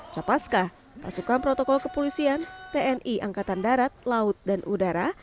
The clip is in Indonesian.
capaska pasukan protokol kepolisian tni angkatan darat laut dan udara